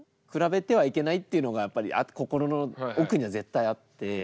比べてはいけないっていうのがやっぱり心の奥には絶対あって。